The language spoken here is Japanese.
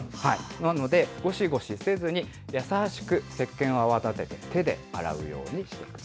なので、ごしごしせずに、優しくせっけんを泡立てて、手で洗うようにしてください。